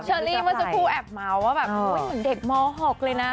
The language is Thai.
เชอร์ลี่มันสักครู่แอบเมาว์ว่าเหมือนเด็กม้อหกเลยนะ